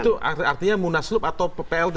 itu artinya munaslup atau plt